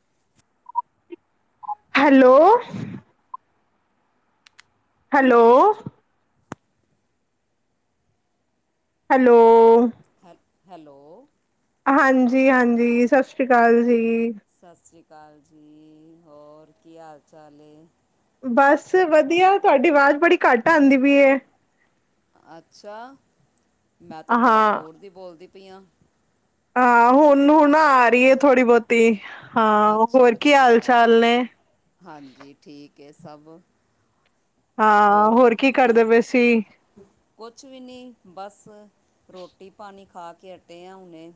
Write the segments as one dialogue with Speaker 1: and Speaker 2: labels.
Speaker 1: [inaudible]
Speaker 2: Hello. Hello. Hello.
Speaker 1: Hello hello.
Speaker 2: ਹਾਂਜੀ-ਹਾਂਜੀ, ਸਤਿ ਸ਼੍ਰੀ ਅਕਾਲ ਜੀ।
Speaker 1: ਸਸ੍ਰੀ ਕਾਲ ਜੀ ਹੋਰ ਕੀ ਹਾਲ ਚਾਲ ਏ?
Speaker 2: ਬਸ ਵਧੀਆ, ਥੋਡੀ ਵਾਜ਼ ਬੜੀ ਘੱਟ ਆਂਦੀ ਪਈਏ।
Speaker 1: ਅੱਛਾ, ਮੈਂ ਤਾਂ ਬੜਾ
Speaker 2: ਹਾਂ,
Speaker 1: ਜ਼ੋਰ ਦੀ ਬੋਲਦੀ ਪਈ ਆਂ।
Speaker 2: ਹਾਂ, ਹੁਨ ਹੁਨ ਆ ਰੀਏ ਥੋੜ੍ਹੀ ਬੋਤੀ ਹਾਂ, ਹੋਰ ਕੀ ਹਾਲ ਚਾਲ ਨੇ?
Speaker 1: ਹੰਜੀ, ਠੀਕ ਏ ਸਭ।
Speaker 2: ਹਾਂ, ਹੋਰ ਕੀ ਕਰਦੇ ਪਏ ਸੀਂ?
Speaker 1: ਕੁਛ ਵੀ ਨੀਂ ਬਸ, ਰੋਟੀ-ਪਾਣੀ ਖਾ ਕੇ ਹਟੇ ਆ ਹੁਨੇਈ।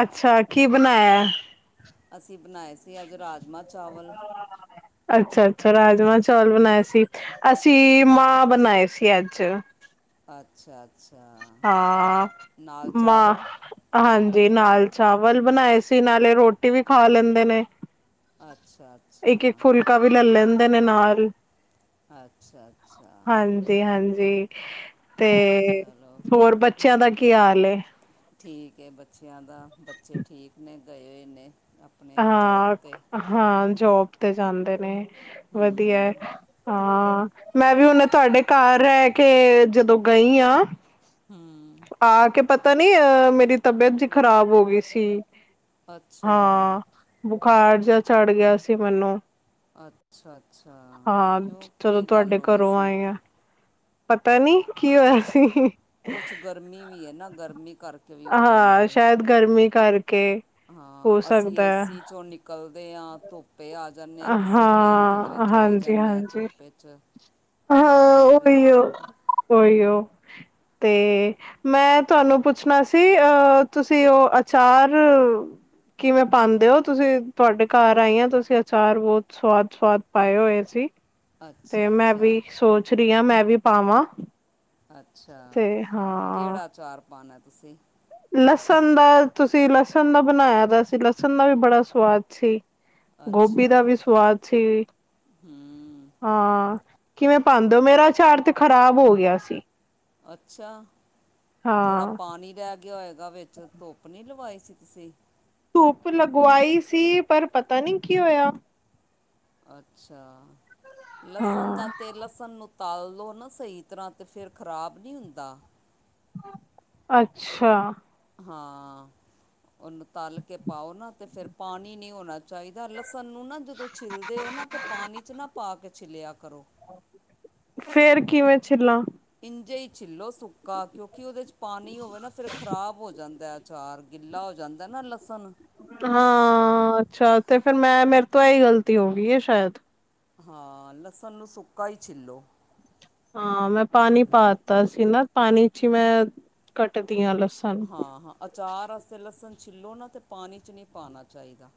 Speaker 2: ਅੱਛਾ, ਕੀ ਬਣਾਇਆ?
Speaker 1: ਅਸੀਂ ਬਨਾਏ ਸੀ, ਅੱਜ ਰਾਜਮਾਂ-ਚਾਵਲ।
Speaker 2: ਅੱਛਾ-ਅੱਛਾ, ਰਾਜਮਾਂ ਚੌਲ ਬਨਾਏ ਸੀ, ਅਸੀਂ ਮਾਂ ਬਨਾਏ ਸੀ ਅੱਜ।
Speaker 1: ਅੱਛਾ-ਅੱਛਾ,
Speaker 2: ਹਾਂ।
Speaker 1: ਨਾਲ
Speaker 2: ਮਾਂ
Speaker 1: ਚਾਵਲ?
Speaker 2: ਹਾਂਜੀ, ਨਾਲ ਚਾਵਲ ਬਨਾਏ ਸੀ, ਨਾਲੇ ਰੋਟੀ ਵੀ ਖਾ ਲੈਂਦੇ ਨੇ।
Speaker 1: ਅੱਛਾ-ਅੱਛਾ।
Speaker 2: ਲਕਾ ਵੀ ਲੈ ਲੈਂਦੇ ਨੇ ਨਾਲ।
Speaker 1: ਅੱਛਾ-ਅੱਛਾ।
Speaker 2: ਜੀ ਹਾਂਜੀ, ਤੇ
Speaker 1: ਚਲੋ
Speaker 2: ਹੋਰ ਬੱਚਿਆਂ ਦਾ ਕੀ ਹਾਲ ਏ?
Speaker 1: ਠੀਕ ਐ ਬੱਚਿਆਂ ਦਾ, ਬੱਚੇ ਠੀਕ, ਨੇ ਗਏ ਹੋਏ ਨੇ। ਆਪਣੇ ਜੋਬ 'ਤੇ
Speaker 2: ਹਾਂ-ਹਾਂ, ਜੋਬ ਤੇ ਜਾਂਦੇ ਨੇ ਵਧੀਆ।
Speaker 1: ਹੂੰ
Speaker 2: ਹਾਂ, ਮੈਂ ਵੀ ਹੁਨੇ ਤੁਆਡੇ ਘਰ ਰੈ ਕੇ ਜਦੋਂ ਗਈ ਆਂ
Speaker 1: ਹੁੰ।
Speaker 2: ਆਕੇ ਪਤਾ ਨੀ ਅਹ ਮੇਰੀ ਤਬੀਅਤ ਜਿ ਖ਼ਰਾਬ ਹੋ ਗਈ ਸੀ।
Speaker 1: ਅੱਛਾ
Speaker 2: ਹਾਂ, ਬੁਖਾਰ ਜੇਯਾ ਚੜ੍ਹ ਗਿਆ ਸੀ ਮੈਨੂੰ।
Speaker 1: ਅੱਛਾ ਅੱਛਾ
Speaker 2: ਹਾਂ,
Speaker 1: ਕਿਉਂ
Speaker 2: ਜਦੋ
Speaker 1: ਕੀ ਗੱਲ
Speaker 2: ਤੁਆਡੇ
Speaker 1: ਹੋ ਗਈ
Speaker 2: ਘਰੋਂ
Speaker 1: ਸੀ
Speaker 2: ਆਏ ਆ ਪਤਾ ਨੀਂ, ਕੀ ਹੋਇਆ ਸੀ?
Speaker 1: ਕੌਛ ਗਰਮੀ ਵੀ ਐ ਨਾ, ਗਰਮੀ ਕਰਕੇ ਵੀ ਹੋ ਜਾਂਦਾ
Speaker 2: ਹਾਂ
Speaker 1: ਏ
Speaker 2: ਸ਼ਾਇਦ ਗਰਮੀ ਕਰਕੇ
Speaker 1: ਹਾਂ,
Speaker 2: ਹੋ
Speaker 1: ਅਸੀਂ
Speaker 2: ਸਕਦਾ ਹੈ
Speaker 1: ਏਸੀ ਚੋਂ ਨਿਕ ਨਿਕਲਦੇ ਆ, ਧੁੱਪੇ ਆ ਜਾਂਨੇ ਹਾਂ, ਕਿਸੇ ਟਾਈਮ ਕਿਧਰੇ
Speaker 2: ਹਾਂ
Speaker 1: ਚਲੇ
Speaker 2: ਹਾਂਜੀ
Speaker 1: ਜਾਂਨੇ ਆ,
Speaker 2: ਹਾਂਜੀ
Speaker 1: ਧੂਪ ਹੀ ਚ ਤੇ, ਇੰਜ ਵੀ ਹੋ ਜਾਂਦਾ।
Speaker 2: ਉਹੀ ਉ ਤੇ ਮੈਂ ਤੁਹਾਨੂੰ ਪੁੱਛਣਾ ਸੀ, ਅਹ ਤੁਸੀਂ ਉ ਅਚਾਰ ਕਿਵੇਂ ਪਾਉਂਦੇ ਹੋ? ਤੁਸੀਂ, ਤੁਹਾਡੇ ਘਰ ਆਈ ਆ ਤੁਸੀਂ ਅਚਾਰ ਬਹੁਤ ਸਵਾਦ-ਸਵਾਦ ਪਾਏ ਹੋਏ ਸੀ, ਤੇ
Speaker 1: ਅੱਛਾ
Speaker 2: ਮੈਂ
Speaker 1: ਅੱਛਾ
Speaker 2: ਵੀ ਸੋਚ ਰੀ ਆ ਮੈ ਵੀ ਪਾਵਾ।
Speaker 1: ਅੱਛਾ, ਕਿਹੜਾ ਅਚਾਰ ਪਾਨਾ ਤੁਸੀਂ?
Speaker 2: ਲਸਣ ਦਾ, ਤੁਸੀਂ ਲਸਣ ਦਾ ਬਣਾਇਆ ਦਾ ਸੀ, ਲਸਣ ਦਾ ਵੀ ਬੜਾ ਸਵਾਦ ਸੀ। ਗੋਭੀ
Speaker 1: ਅੱਛਾ
Speaker 2: ਦਾ ਵੀ ਸਵਾਦ ਸੀ।
Speaker 1: ਹੂੰ
Speaker 2: ਹਾਂ, ਕਿਵੇਂ ਪਾਉਂਦੇ ਹੋ? ਮੇਰਾ ਅਚਾਰ ਤੇ ਖ਼ਰਾਬ ਹੋ ਗਿਆ ਸੀ।
Speaker 1: ਅੱਛਾ, ਥੋੜਾ
Speaker 2: ਹਾਂ
Speaker 1: ਪਾਣੀ ਰਹਿ ਗਿ ਗਿਆ ਹੋਏਗਾ ਵਿੱਚ, ਧੁੱਪ ਨੀ ਲਵਾਈ ਸੀ ਤੁਸੀਂ?
Speaker 2: ਧੂੱਪ ਲਗਵਾਈ ਸੀ, ਪਰ ਪਤਾ ਨੀ ਕੀ ਹੋਇਆ।
Speaker 1: ਅੱਛਾ, ਲਸਣ ਦਾ
Speaker 2: ਹਾਂ
Speaker 1: ਤੇ ਲਸਣ ਨੂੰ ਤਲ ਲਉ, ਨਾ ਸਹੀ ਤਰ੍ਹਾਂ ਤੇ ਫਿਰ ਖ਼ਰਾਬ ਨਹੀਂ ਹੁੰਦਾ।
Speaker 2: ਅੱਛਾ!
Speaker 1: ਹਾਂ। ਉਹਨੂੰ ਤਲ ਕੇ ਪਾਓ ਨਾ, ਤੇ ਫਿਰ ਪਾਣੀ ਨੀ ਹੋਣਾ ਚਾਹੀਦਾ, ਲਸਣ ਨੂੰ ਨਾ ਜਦੋਂ ਛਿੱਲਦੇ ਹੋ, ਨਾ ਤੇ ਪਾਣੀ ਚ ਨਾ ਪਾ ਕੇ ਛਿੱਲਿਆ ਕਰੋ।
Speaker 2: ਫੇਰ ਕਿਵੇਂ ਛਿੱਲਾਂ?
Speaker 1: ਇੰਝੇ ਹੀ ਛਿੱਲੋ ਸੁੱਕਾ ਕਿਉਂਕਿ ਉਹਦੇ ਚ ਪਾਣੀ ਹੋਵੇ ਨਾ, ਫਿਰ ਖ਼ਰਾਬ ਹੋ ਜਾਂਦਾ ਅਚਾਰ, ਗਿੱਲਾ ਹੋ ਜਾਂਦਾ ਨਾ ਲਸਣ
Speaker 2: ਹਾਂ ਅੱਛਾ, ਤੇ ਫਿਰ ਮੈਂ ਮੇਰੇ ਤੋਂ ਏਹੀ ਗ਼ਲਤੀ ਹੋ ਗਈ, ਸ਼ਾਇਦ
Speaker 1: ਹਾਂ, ਲਸਣ ਨੂੰ ਸੁਕਾ ਹੀ ਛਿੱਲੋ।
Speaker 2: ਹਾਂ, ਮੈਂ ਪਾਣੀ ਪਾਤਾ ਸੀ ਨਾ ਪਾਣੀ ਚ ਹੀ ਮੈਂ ਕੱਟਦੀ ਹਾਂ ਲੱਸਣ।
Speaker 1: ਹਾਂ-ਹਾਂ, ਅਚਾਰ ਵਸਤੇ ਲਸਣ ਛਿੱਲੋ ਨਾ, ਤੇ ਪਾਣੀ ਚ ਨੀ ਪਾਉਣਾ ਚਾਹੀਦਾ।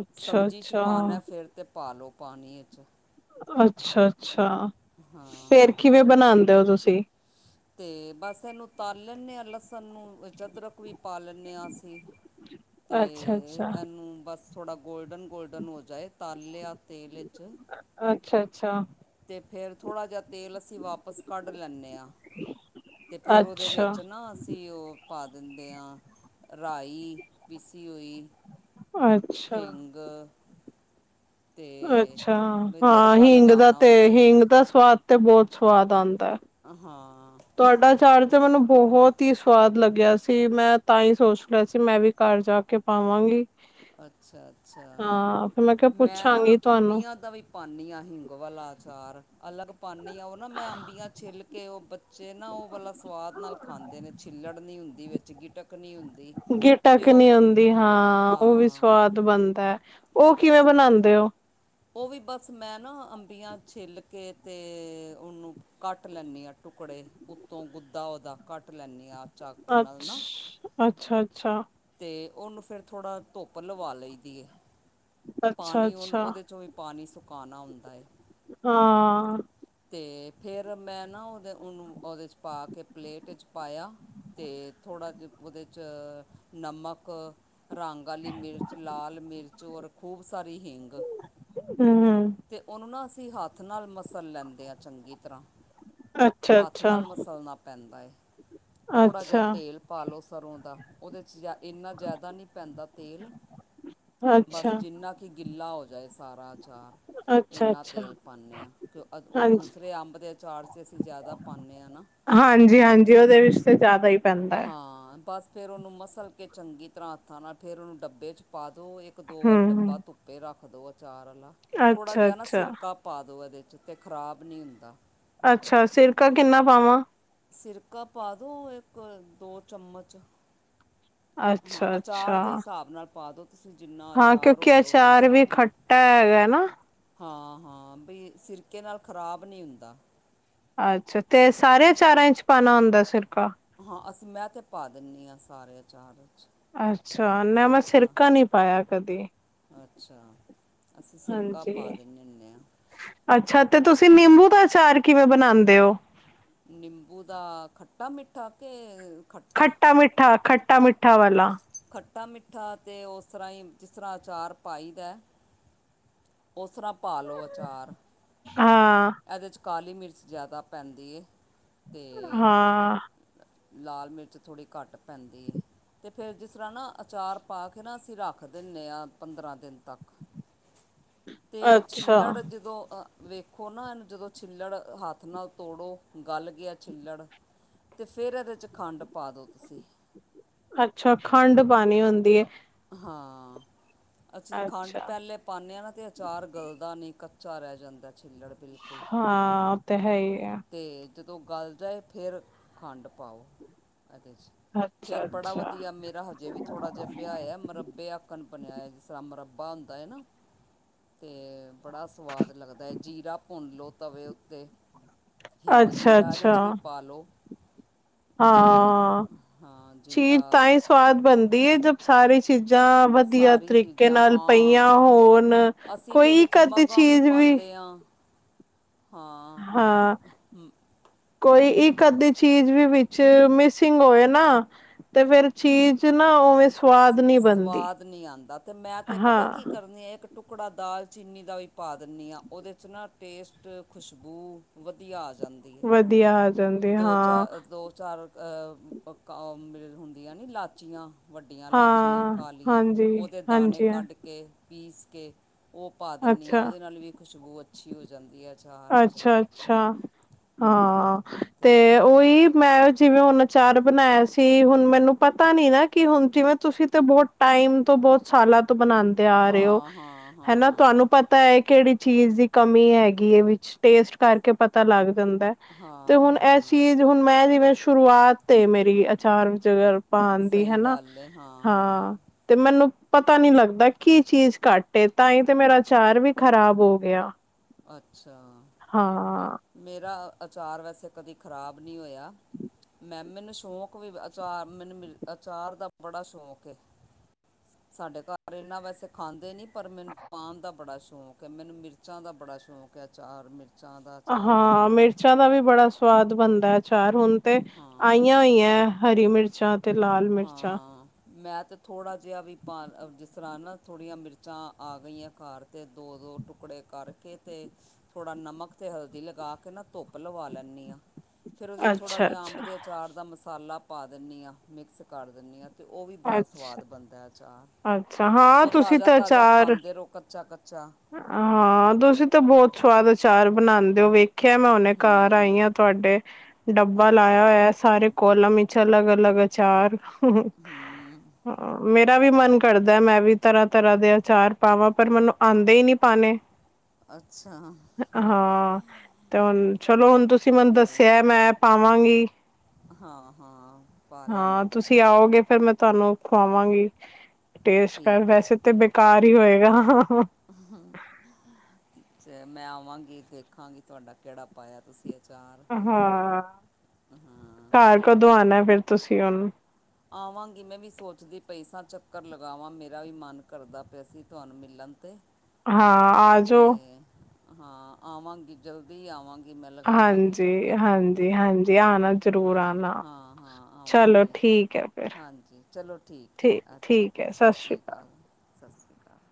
Speaker 2: ਅੱਛਾ
Speaker 1: ਸਬਜ਼ੀ ਚ
Speaker 2: ਅੱਛਾ
Speaker 1: ਪਾਉਣਾ ਫਿਰ ਤੇ ਪਾ ਲਓ ਪਾਣੀ ਇ ਚ।
Speaker 2: ਅੱਛਾ-ਅੱਛਾ, ਫੇਰ
Speaker 1: ਹਾਂ
Speaker 2: ਕਿਵੇਂ ਬਣਾਉਂਦੇ ਹੋ ਤੁਸੀਂ?
Speaker 1: ਤੇ ਬਸ ਇਹਨੂੰ ਤਲ ਲੈਂਦੇ ਹਾਂ ਲਸਣ ਨੂੰ, ਅਦਰਕ ਵੀ ਪਾ ਲੈਂਦੇ ਹਾਂ, ਅਸੀਂ। [inaudible] ਤੇ
Speaker 2: ਅੱਛਾ ਅੱਛਾ
Speaker 1: ਇਹਨੂੰ ਬਸ ਥੋੜ੍ਹਾ ਗੋਲਡਨ-ਗੋਲਡਨ ਹੋ ਜਾਏ, ਤਲ ਲਿਆ ਤੇਲ ਇਚ
Speaker 2: ਅੱਛਾ-ਅੱਛਾ।
Speaker 1: ਤੇ ਫਿਰ ਥੋੜ੍ਹਾ ਜਿਹਾ ਤੇਲ ਅਸੀਂ ਵਾਪਸ ਕੱਢ ਲੈਂਦੇ ਹਾਂ। ਤੇ ਫਿਰ ਉਹਦੇ
Speaker 2: ਅੱਛਾ
Speaker 1: ਵਿੱਚ ਨਾ ਅਸੀਂ ਉਹ ਪਾ ਦਿੰਦੇ ਹਾਂ, ਰਾਈ ਪੀਸੀ ਹੋਈ।
Speaker 2: [inaudible]
Speaker 1: ਹਿੰਗ। ਅਤੇ
Speaker 2: ਅੱਛਾ!
Speaker 1: ਬਈ
Speaker 2: ਹਾਂ,
Speaker 1: ਤੜਕਾ
Speaker 2: ਹਿੰਗ ਦਾ
Speaker 1: ਲਗਾਉਣਾ
Speaker 2: ਤੇ
Speaker 1: ਹੁੰਦਾ ਇਹਨੂੰ
Speaker 2: ਹਿੰਗ ਦਾ ਸਵਾਦ ਤੇ ਬਹੁਤ ਸਵਾਦ ਆਂਦਾ।
Speaker 1: ਅ ਹਾਂ।
Speaker 2: ਤੁਹਾਡਾ ਅਚਾਰ ਮੈਨੂੰ ਬਹੁਤ ਹੀ ਸਵਾਦ ਲੱਗਿਆ ਸੀ, ਮੈਂ ਤਾਂ ਹੀ ਸੋਚ ਲਿਆ ਸੀ ਮੈਂ ਵੀ ਘਰ ਜਾ ਕੇ ਪਾਵਾਂਗੀ।
Speaker 1: ਅੱਛਾ-ਅੱਛਾ,
Speaker 2: ਹਾਂ ਫਿਰ ਕਿਹਾ
Speaker 1: ਮੈਂ ਨਾ
Speaker 2: ਪੁੱਛਾਂਗੀ ਤੁਹਾਨੂੰ
Speaker 1: ਅੰਬੀਆਂ ਦਾ ਵੀ ਪਾਨੀ ਹਾਂ ਹਿੰਗ ਵਾਲਾ ਅਚਾਰ, ਅਲੱਗ ਪਾਨੀ ਹ ਉਹ ਨਾ ਮੈਂ ਅੰਬੀਆਂ ਛਿੱਲ ਕੇ ਉਹ ਜੇ ਨਾ ਉਹ ਵਾਲਾ ਸਵਾਦ ਨਾਲ ਖਾਂਦੇ ਨੇ ਛਿੱਲੜ ਨਹੀਂ ਹੁੰਦਾ ਵਿੱਚ ਗਿਟਕ ਨਹੀਂ ਹੁੰਦੀ। ਅਤੇ
Speaker 2: ਗਿਟਕ
Speaker 1: ਉਹ
Speaker 2: ਨੀ
Speaker 1: ਵਾਲਾ
Speaker 2: ਆਦੀ ਹਾਂ ਉਹ ਵੀ
Speaker 1: ਹਾਂ
Speaker 2: ਸਵਾਦ ਬਣਦਾ ਉਹ ਕਿਵੇਂ ਬਣਾਉਂਦੇ।
Speaker 1: ਉਹ ਵੀ ਬਸ ਮੈਂ ਨਾ ਅੰਬੀਆਂ ਛਿੱਲ ਕੇ ਅਤੇ ਉਹਨੂੰ ਕੱਟ ਲੈਂਦੀ ਹਾਂ ਟੁਕੜੇ ਉੱਤੋਂ ਗੁੱਦਾ ਉਹਦਾ ਕੱਟ ਲੈਂਦੀ ਹਾਂ। ਚਾਕੂ ਨਾਲ
Speaker 2: ਅੱਛ
Speaker 1: ਨਾ
Speaker 2: ਅੱਛਾ ਅੱਛਾ।
Speaker 1: ਅਤੇ ਉਹਨੂੰ ਫਿਰ ਥੋੜ੍ਹਾ ਧੁੱਪ ਲਵਾ ਲਈਦੀ ਹੈ।
Speaker 2: ਅੱਛਾ
Speaker 1: ਪਾਣੀ ਉਹਨੂੰ
Speaker 2: ਅੱਛਾ
Speaker 1: ਉਹਦੇ 'ਚੋਂ ਵੀ ਪਾਣੀ ਸੁਕਾਉਣਾ ਹੁੰਦਾ।
Speaker 2: ਹਾਂ
Speaker 1: ਅਤੇ ਫਿਰ ਮੈਂ ਨਾ ਉਹਦੇ ਉਹਨੂੰ ਉਹਦੇ'ਚ ਪਾ ਕੇ ਪਲੇਟ ਪਾਇਆ। ਅਤੇ ਥੋੜ੍ਹਾ ਜਹੇ ਉਹਦੇ 'ਚ ਨਮਕ ਰੰਗ ਵਾਲੀ ਮਿਰਚ, ਲਾਲ ਮਿਰਚ, ਔਰ ਖੂਬ ਸਾਰੀ ਹਿੰਗ।
Speaker 2: ਹੂੰ ਹੂੰ
Speaker 1: ਅਤੇ ਉਹਨੂੰ ਨਾ ਅਸੀਂ ਹੱਥ ਨਾਲ ਮਸਲ ਲੈਂਦੇ ਹਾਂ ਚੰਗੀ ਤਰ੍ਹਾਂ
Speaker 2: ਅੱਛਾ
Speaker 1: ਹੱਥ
Speaker 2: ਅੱਛਾ
Speaker 1: ਨਾਲ ਮਸਲਣਾ ਪੈਂਦਾ ਹੈ ਥੋੜ੍ਹਾ ਜਿਹਾ
Speaker 2: ਅੱਛਾ
Speaker 1: ਤੇਲ ਪਾ ਲਓ ਸਰੋਂ ਦਾ ਉਹਦੇ 'ਚ ਜਾ ਇੰਨਾ ਜ਼ਿਆਦਾ ਨਹੀਂ ਪੈਂਦਾ ਤੇਲ।
Speaker 2: ਅੱਛਾ
Speaker 1: ਬਸ ਜਿੰਨਾ ਕਿ ਗਿੱਲਾ ਹੋ ਜਾਏ ਸਾਰਾ ਅਚਾਰ
Speaker 2: ਅੱਛਾ
Speaker 1: ਇੰਨਾ
Speaker 2: ਅੱਛਾ
Speaker 1: ਤੇਲ ਪਾਉਂਦੇ ਹਾਂ ਕਿ ਉਹ
Speaker 2: ਹਾਂਜੀ
Speaker 1: ਦੂਸਰੇ ਅੰਬ ਦੇ ਅਚਾਰ 'ਚ ਅਸੀਂ ਜ਼ਿਆਦਾ ਪਾਉਂਦੇ ਹਾਂ ਨਾ
Speaker 2: ਹਾਂਜੀ ਹਾਂਜੀ ਉਹਦੇ ਵਿੱਚ ਤੇ ਜ਼ਿਆਦਾ ਹੀ ਪੈਂਦਾ। ਹੈ
Speaker 1: ਹਾਂ ਬਸ ਫਿਰ ਉਹਨੂੰ ਮਸਲ ਕੇ ਚੰਗੀ ਤਰ੍ਹਾਂ ਹੱਥਾਂ ਨਾਲ਼ ਫਿਰ ਉਹਨੂੰ ਡੱਬੇ 'ਚ ਪਾ ਦਿਉ ਇੱਕ ਦੋ ਵਾਰ
Speaker 2: ਹੂੰ
Speaker 1: ਡੱਬਾ ਧੁੱਪ ਧੁਪੇ ਦਿਉ ਅਚਾਰ ਵਾਲਾ ਥੋੜ੍ਹਾ ਜਿਹਾ ਨਾ
Speaker 2: ਅੱਛਾ-ਅੱਛਾ,
Speaker 1: ਸਿਰਕਾ ਪਾ ਦਿਉ ਇਹਦੇ 'ਚ ਅਤੇ ਖਰਾਬ ਨਹੀਂ ਹੁੰਦਾ।
Speaker 2: ਅੱਛਾ ਸਿਰਕਾ ਕਿੰਨਾ ਪਾਵਾਂ।
Speaker 1: ਸਿਰਕਾ ਪਾ ਦਿਉ ਇੱਕ ਦੋ ਚਮਚ। ਹਾਂ
Speaker 2: ਅੱਛਾ ਅੱਛਾ।
Speaker 1: ਅਚਾਰ ਦੇ ਹਿਸਾਬ ਨਾਲ ਪਾ ਦੋ ਤੁਸੀਂ ਜਿੰਨਾ
Speaker 2: ਹਾਂ
Speaker 1: ਅਚਾਰ
Speaker 2: ਕਿਉਂਕਿ
Speaker 1: ਹੋਵੇ ਉਹਦੇ
Speaker 2: ਅਚਾਰ ਵੀ
Speaker 1: ਹਿਸਾਬ ਨਾਲ
Speaker 2: ਖੱਟਾ ਹੈਗਾ ਹੈ ਨਾ
Speaker 1: ਹਾਂ ਹਾਂ ਬਈ ਸਿਰਕੇ ਨਾਲ ਖ਼ਰਾਬ ਨਹੀਂ ਹੁੰਦਾ।
Speaker 2: ਅੱਛਾ ਤੇ ਸਾਰਿਆਂ ਅਚਾਰਾਂ ਵਿਚ ਪਾਉਣਾ ਹੁੰਦਾ ਸਿਰਕਾ।
Speaker 1: ਹਾਂ ਅਸੀਂ ਮੈਂ ਤੇ ਪਾ ਦਿੰਦੀ ਹਾਂ ਸਾਰੇ ਅਚਾਰ ਵਿੱਚ।
Speaker 2: ਅੱਛਾ ਨਾ ਮੈਂ ਸਿਰਕਾ ਨਹੀਂ ਪਾਇਆ ਕਦੀ।
Speaker 1: ਅੱਛਾ ਅਸੀਂ ਸਿਰਕਾ ਪਾ
Speaker 2: ਹਾਂਜੀ
Speaker 1: ਦਿੰਦੇ ਹੁੰਦੇ ਹਾਂ।
Speaker 2: ਅੱਛਾ ਤੇ ਤੁਸੀਂ ਨਿੰਬੂ ਦਾ ਅਚਾਰ ਕਿਵੇਂ ਬਣਾਉਂਦੇ ਹੋ।
Speaker 1: ਨਿੰਬੂ ਦਾ ਖੱਟਾ ਮਿੱਠਾ ਕੇ ਖ
Speaker 2: ਖੱਟਾ ਮਿੱਠਾ ਖੱਟਾ ਮਿੱਠਾ ਵਾਲਾ।
Speaker 1: ਖੱਟਾ ਮਿੱਠਾ ਅਤੇ ਉਸ ਤਰ੍ਹਾਂ ਹੀ ਜਿਸ ਤਰ੍ਹਾਂ ਅਚਾਰ ਪਾਈ ਦਾ ਉਸ ਤਰ੍ਹਾਂ ਪਾ ਲੋ ਆਚਾਰ।
Speaker 2: ਹਾਂ
Speaker 1: ਇਹਦੇ 'ਚ ਕਾਲੀ ਮਿਰਚ ਜ਼ਿਆਦਾ ਪੈਂਦੀ ਹੈ। ਅਤੇ
Speaker 2: ਹਾਂ
Speaker 1: ਲਾਲ ਮਿਰਚ ਥੋੜ੍ਹੀ ਘੱਟ ਪੈਂਦੀ ਹੈ। ਤੇ ਫਿਰ ਜਿਸ ਤਰ੍ਹਾਂ ਨਾ ਅਚਾਰ ਪਾ ਕੇ ਨਾ ਅਸੀਂ ਰੱਖ ਦਿੰਦੇ ਹਾਂ ਪੰਦਰਾਂ ਦਿਨ ਤੱਕ ਤੇ ਛਿੱਲੜ
Speaker 2: ਅੱਛਾ-ਅੱਛਾ
Speaker 1: ਜਦੋਂ ਅਹ ਵੇਖੋ ਨਾ ਇਹਨੂੰ ਜਦੋਂ ਛਿੱਲੜ ਹੱਥ ਨਾਲ ਤੋੜੋ ਗਲ ਗਿਆ ਛਿੱਲੜ ਤੇ ਫਿਰ ਇਹਦੇ 'ਚ ਖੰਡ ਪਾ ਦਿਉ ਤੁਸੀਂ
Speaker 2: ਅੱਛਾ ਖੰਡ ਪਾਣੀ ਹੁੰਦੀ ਏ।
Speaker 1: ਹਾਂ ਅਸੀਂ ਖੰਡ
Speaker 2: ਅੱਛਾ
Speaker 1: ਪੈਲੇ ਪਾਨੇ ਆ ਨਾ ਤੇ ਅਚਾਰ ਗਲਦਾ ਨੀ ਕੱਚਾ ਰੈ ਜਾਂਦੈ ਛਿੱਲੜ ਬਿਲਕੁੱਲ।
Speaker 2: ਹਾਂ ਓ ਤੇ ਹੈ ਈ ਐ।
Speaker 1: ਤੇ ਜਦੋਂ ਗਲ ਜਾਏ ਫਿਰ ਖੰਡ ਪਾਓ ਏਦੇ ਚ। ਫੇਰ ਬੜਾ
Speaker 2: ਅੱਛਾ-ਅੱਛਾ,
Speaker 1: ਵਧੀਆ ਮੇਰਾ ਹਜੇ ਵੀ ਥੋੜਾ ਜਾ ਪਿਆ ਆ ਮੁਰੱਬੇ ਅ ਕਣਪਨਿਆਇ ਜਿਸ ਤਰ ਮਰੱਬਾ ਹੁੰਦਾ ਐ ਨਾ। ਤੇ ਬੜਾ ਸਵਾਦ ਲੱਗਦੈ ਜੀਰਾ ਭੁੰਨ ਲਓ ਤਵੇ ਉੱਤੇ। ਹਿੰਗ ਜੀਰਾ ਏਦੇ
Speaker 2: ਅੱਛਾ-ਅੱਛਾ
Speaker 1: ਚ ਵੀ ਪਾਲੋ।
Speaker 2: ਹਾਂ ਚੀਜ਼
Speaker 1: ਜੀਰਾ
Speaker 2: ਤਾਂ ਈ ਸਵਾਦ ਬਣਦੀ ਏ ਜ ਸਾਰੀ ਚੀਜ਼ਾਂ ਵਧੀਆ
Speaker 1: ਸਾਰੀ
Speaker 2: ਤਰੀਕੇ
Speaker 1: ਚੀਜ਼ਾਂ
Speaker 2: ਨਾਲ ਪਈਆਂ ਹੋਣ ਕੋਈ
Speaker 1: ਚ
Speaker 2: ਇੱਕ ਅੱਧੀ
Speaker 1: ਮਗਾਂ ਵੀ
Speaker 2: ਚੀਜ਼
Speaker 1: ਪਾਂਦੇ ਆ ਹਾਂ
Speaker 2: ਹਾਂ
Speaker 1: ਮ
Speaker 2: ਕੋਈ ਇੱਕ ਅੱਧੀ ਚੀਜ਼ ਵੀ ਵਿੱਚ ਮਿਸਿੰਗ ਹੋਏ ਨਾ ਤੇ ਫੇਰ ਚੀਜ਼ ਨਾ ਓਵੇਂ
Speaker 1: ਸ ਸਵਾਦ ਨੀ ਆਂਦਾ ਤੇ ਮੈਂ ਤੇ ਪਤਾ ਕੀ
Speaker 2: ਹਾਂ
Speaker 1: ਕਰਨੀ ਆ ਇਕ ਟੁਕੜਾ ਦਾਲ ਚੀਨੀ ਦਾ ਵੀ ਪਾ ਦਿੰਨੀ ਆ ਓਦੇ ਚ ਨਾ ਟੇਸਟ, ਖੁਸ਼ਬੂ ਵਧੀਆ ਆ ਜਾਂ
Speaker 2: ਵਧੀਆ। ਜਾਂਦੀ
Speaker 1: ਦੋ
Speaker 2: ਹਾਂ
Speaker 1: ਚਾਰ ਦੋ ਚਾਰ ਅ ਕ ਮ ਹੁੰਦੀਆਂ ਨੀ ਲਾਚੀਆਂ। ਵੱਡੀਆਂ ਲਾਚੀਆਂ
Speaker 2: ਹਾਂ
Speaker 1: ਕਾਲੀਆਂ ਓਦੇ ਦਾਣੇ
Speaker 2: ਹਾਂਜੀ-ਹਾਂਜੀ
Speaker 1: ਕੱਢ ਕੇ ਪੀਸ ਕੇ ਓ ਪਾ ਦਿੰਨੀ ਆ
Speaker 2: ਅੱਛਾ
Speaker 1: ਓਦੇ ਨਾਲ ਵੀ ਖੁਸ਼ਬੂ ਅੱਛੀ ਹੋ ਜਾਂਦੀ ਐ।
Speaker 2: ਅੱਛਾ-ਅੱਛਾ ਹਾਂ ਤੇ ਓਈ ਮੈਂ ਜਿਵੇਂ ਹੁਣ ਅਚਾਰ ਬਣਾਇਆ ਸੀ ਹੁਣ ਮੈਨੂੰ ਪਤਾ ਨੀ ਨਾ ਕੀ ਹੁਣ ਜਿਵੇਂ ਤੁਸੀਂ ਤੇ ਬੋ ਟਾਈਮ ਤੋਂ ਬੋਤ ਸਾਲਾਂ ਤੋਂ ਬਣਾਂਦੇ ਆ ਰੇ ਓ
Speaker 1: ਹਾਂ ਹਾਂ
Speaker 2: ਹੈਨਾ
Speaker 1: ਹਾਂ
Speaker 2: ਤੁਹਾਨੂੰ ਪ ਤਾ ਏ ਕੇੜੀ ਚੀਜ਼ ਦੀ ਕਮੀ ਹੈਗੀ ਐ ਵੀ ਟੇਸਟ ਕਰਕੇ ਪਤਾ ਲੱਗ ਜਾਂਦੈ ਤੇ
Speaker 1: ਹਾਂ
Speaker 2: ਹੁਣ ਏਸ
Speaker 1: ਹਾਂ
Speaker 2: ਚੀਜ਼ ਹੁਣ ਮੈਂ ਜਿਵੇਂ ਸ਼ੁਰੂਆਤ ਏ ਤੇ ਮੇਰੀ ਅਚਾਰ [unintelligible] ਪਾਣ ਦੀ
Speaker 1: ਸਹੀ
Speaker 2: ਹਨਾ
Speaker 1: ਗੱਲ ਹੈ
Speaker 2: ਹਾਂ। ਤੇ ਮੈਨੂੰ ਪਤਾ ਨੀ ਲੱਗਦਾ ਕੀ ਚੀਜ਼ ਘੱਟ ਏ ਤਾਂ ਈ ਤੇ ਮੇਰਾ ਅਚਾਰ ਵੀ ਖ਼ਰਾਬ ਹੋ ਗਿਆ।
Speaker 1: ਅੱਛਾ।
Speaker 2: ਹਾਂ।
Speaker 1: ਮੇਰਾ ਆਚਾਰ ਵੈਸੇ ਕਦੀ ਖ਼ਰਾਬ ਨੀ ਹੋਇਆ। ਮੈਮ ਮੈਨੂੰ ਸ਼ੌਕ ਵੀ ਅਚਾਰ ਮੈਨੂੰ ਮਿਲ ਅਚਾਰ ਦਾ ਬੜਾ ਸ਼ੌਕ ਏ। ਸਾਡੇ ਘਰ ਇਨਾ ਵੈਸੇ ਖਾਂਦੇ ਨੀ ਪਰ ਮੈਨੂੰ ਪਾਣ ਦਾ ਬੜਾ ਸ਼ੌਕ ਐ ਮੈਨੂੰ ਮਿਰਚਾਂ ਦਾ ਬੜਾ ਸ਼ੌਕ ਐ ਅਚਾਰ ਮਿਰ
Speaker 2: ਹਾਂ ਮਿਰਚਾਂ ਦਾ ਵੀ ਬੜਾ ਸਵਾਦ ਬਣਦਾ ਅਚਾਰ ਹੁਣ ਤੇ
Speaker 1: ਹਾਂ
Speaker 2: ਆਈਆਂ ਹੋਈਐ ਹਰੀ ਮਿਰਚਾਂ ਤੇ ਲਾਲ ਮਿਰਚਾਂ।
Speaker 1: ਹਾਂ। ਮੈਂ ਤੇ ਥੋੜ੍ਹਾ ਜਿਆ ਵੀ ਪਾ ਜਿਸ ਤਰ੍ਹਾਂ ਨਾ ਥੋੜ੍ਹੀਆਂ ਮਿਰਚਾਂ ਆ ਗਈਆਂ ਕਾਰ ਤੇ ਦੋ-ਦੋ ਟੁਕੜੇ ਕਰਕੇ ਤੇ ਥੋੜ੍ਹਾ ਨਮਕ ਤੇ ਹਲਦੀ ਲਗਾ ਕੇ ਨਾ ਧੁੱਪ ਲਵਾ ਲੈਂਨੀ ਆ। ਫੇਰ ਉਦੇ ਚ ਥੋੜ੍ਹਾ
Speaker 2: ਅੱਛਾ
Speaker 1: ਜਾ
Speaker 2: ਅੱਛਾ।
Speaker 1: ਅੰਬ ਦੇ ਅਚਾਰ ਦਾ ਮਸਾਲਾ ਪਾ ਦਿੰਨੀ ਆ ਮਿਕਸ ਕਰ ਦਿੰਨੀ ਆ। ਅਤੇ ਉ ਵੀ ਬੜਾ
Speaker 2: ਅੱਛਾ
Speaker 1: ਸਵਾਦ ਬਣਦੈ ਅਚਾਰ।
Speaker 2: ਅੱਛਾ ਹਾਂ
Speaker 1: ਓ
Speaker 2: ਤੁਸੀਂ ਤਾਂ
Speaker 1: ਤਾਜ਼ਾ-ਤਾਜ਼ਾ
Speaker 2: ਅਚਾਰ
Speaker 1: ਖਾਂਦੇ ਰਓ ਕੱਚਾ-ਕੱਚਾ।
Speaker 2: ਹਾਂ ਤੁਸੀਂ ਤਾਂ ਬੋਤ ਸਵਾਦ ਅਚਾਰ ਬਣਾਂਦੇ ਓ ਵੇ ਖਿਆ ਮੈਂ ਹੁਨੇ ਘਰ
Speaker 1: ਹੂੰ
Speaker 2: ਆਈ ਆ ਤੁਹਾਡੇ ਡੱਬਾ ਲਾਇਆ
Speaker 1: ਅੱਛਾ
Speaker 2: ਹੋਇਆ ਸਾਰੇ ਕੋਲਮ ਵਿੱਚ ਅਲੱਗ ਅਲਗ ਅਚਾਰ,
Speaker 1: ਹੂੰ
Speaker 2: ਮੈਂ ਮੇਰਾ ਵੀ ਮਨ ਕਰਦਾ ਮੈਂ ਵੀ ਤਰ੍ਹਾਂ ਤਰ੍ਹਾਂ ਦੇ ਆਚਾਰ ਪਾਵਾਂ, ਪਰ ਮੈਨੂੰ ਆਉਂਦੇ ਹੀ ਨਹੀਂ ਪਾਣੇ।
Speaker 1: ਅੱਛਾ
Speaker 2: ਹਾਂ, ਤੇ ਹੁਣ ਚਲੋ ਹੁਣ ਤੁਸੀਂ ਮੈਨੂੰ
Speaker 1: ਤੇ
Speaker 2: ਦੱਸਿਆ ਮੈਂ ਪਾਵਾਂਗੀ।
Speaker 1: ਹਾਂ ਹਾਂ ਪਾ ਲੈਣਾ।
Speaker 2: ਹਾਂ ਤੁਸੀਂ ਆਓਗੇ, ਫੇਰ ਮੈਂ ਤੁਹਾਨੂੰ ਖਵਾਵਾਂਗੀ ਟੇਸਟ ਕਰ
Speaker 1: ਠੀਕ ਹੈ
Speaker 2: ਵੈਸੇ ਤੇ ਘਾਰ ਹੀ ਹੋਏਗਾ।
Speaker 1: ਹੂ ਤੇ ਮੈਂ ਆਵਾਂਗੀ ਦੇਖਾਂਗੀ ਤੁਹਾਡਾ ਕਿਹੜਾ ਪਾਇਆ ਤੁਸੀਂ ਅਚਾਰ।
Speaker 2: ਹਾਂ
Speaker 1: ਹਾਂ
Speaker 2: ਘਰ ਕਦੋਂ ਆਉਣਾ ਫਿਰ ਤੁਸੀਂ ਉਹਨੂੰ।
Speaker 1: ਆਵਾਂਗੀ ਮੈਂ ਵੀ ਸੋਚਦੀ ਪਈ ਸਾਂ, ਚੱਕਰ ਲਗਾਵਾਂ ਮੇਰਾ ਵੀ ਮਨ ਕਰਦਾ ਪਿਆ ਅਸੀਂ ਤੁਹਾਨੂੰ ਮਿਲਣ ਤੇ,
Speaker 2: ਹਾਂ ਆ ਜਾਓ
Speaker 1: ਤੇ ਹਾਂ ਆਵਾਂਗੀ ਜਲਦੀ ਆਵਾਂਗੀ ਮੈਂ ਲਗਾਵਾਂਗੀ
Speaker 2: ਹਾਂਜੀ
Speaker 1: ਚੱਕਰ
Speaker 2: ਹਾਂਜੀ ਹਾਂਜੀ ਆਣਾ ਜ਼ਰੂਰ
Speaker 1: ਹਾਂ
Speaker 2: ਆਣਾ
Speaker 1: ਹਾਂ ਹਾਂ
Speaker 2: ਚਲੋ ਠੀਕ
Speaker 1: ਆਵਾਂਗੇ
Speaker 2: ਠੀਕ ਐ ਫਿਰ
Speaker 1: ਹਾਂਜੀ ਚਲੋ ਠੀਕ ਹੈ ਅੱਛਾ ਜੀ ਸਤਿ ਸ਼੍ਰੀ ਅਕਾਲ ਸਤਿ ਸ਼੍ਰੀ ਅਕਾਲ